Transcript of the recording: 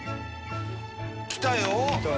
来たよ。